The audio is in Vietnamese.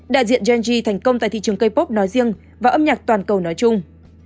đại diện gen g thành công tại thị trường k pop nói riêng và âm nhạc toàn cầu nói chung